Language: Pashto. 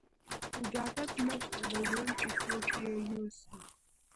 اجازت نشته د ژوند چې څوک یې یوسي